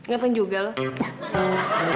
ganteng juga lo